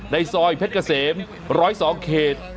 ในซอยเพชรเกษม๑๐๒เขต